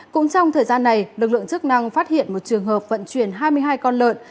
cũng trong thời gian này lực lượng chức năng phát hiện một trường hợp vận chuyển hai mươi hai con lợn